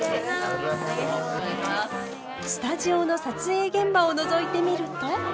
スタジオの撮影現場をのぞいてみると。